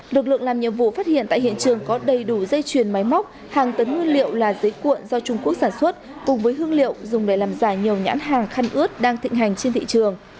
lực lượng làm nhiệm vụ phát hiện tại hiện trường có đầy đủ dây chuyền máy móc hàng tấn nguyên liệu là giấy cuộn do trung quốc sản xuất cùng với hương liệu dùng để làm giả nhiều nhãn hàng khăn ướt đang thịnh hành trên thị trường